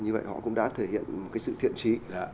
như vậy họ cũng đã thể hiện cái sự thiện trí